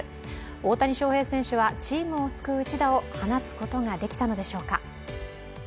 大谷翔平選手はチームを救う一打を放つことができたのでしょうか。